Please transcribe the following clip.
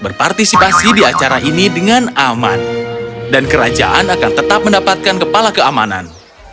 berpartisipasi di acara ini dengan aman dan kerajaan akan tetap mendapatkan kepala keamanan